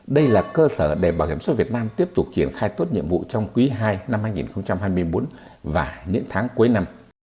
đây là cơ sở để bảo hiểm xã hội việt nam tiếp tục triển khai tốt nhiệm vụ trong quý ii năm hai nghìn hai mươi bốn và những tháng cuối năm